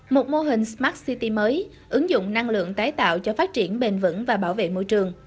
một mô hình smart city mới ứng dụng năng lượng tái tạo cho phát triển bền vững và bảo vệ môi trường